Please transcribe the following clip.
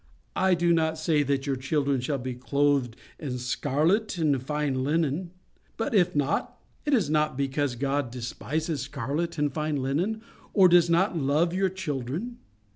I do not say that your children shall be clothed in scarlet and fine linen; but if not, it is not because God despises scarlet and fine linen or does not love your children.